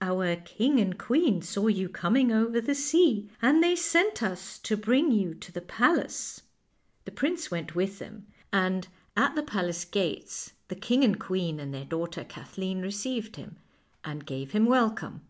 Our king and queen saw you coming over the sea, and they sent us to bring you to the palace." The prince went with them, and at the palace 136 FAIRY TALES gates the king and queen and their daughter Kathleen received him, and gave him welcome.